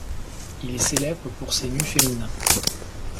Il est célèbre pour ses nus féminins.